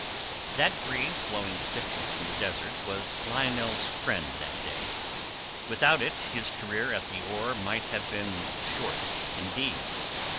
That breeze blowing stiffly from the desert was Lionel's friend that day. Without it his career at the oar might have been short indeed.